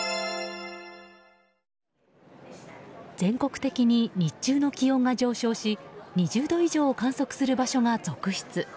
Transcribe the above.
全国的に日中の気温が上昇し２０度以上を観測する場所が続出。